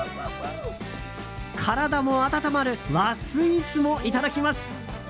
体も温まる和スイーツもいただきます。